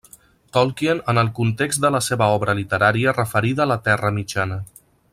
Tolkien en el context de la seva obra literària referida a la Terra Mitjana.